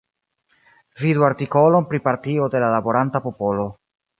Vidu artikolon pri Partio de la Laboranta Popolo.